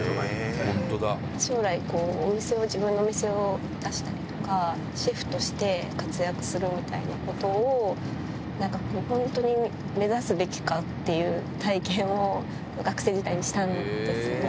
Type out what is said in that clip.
将来、自分のお店を出したりとか、シェフとして活躍するみたいなことを、なんか本当に目指すべきかっていう体験を、学生時代にしたんですよね。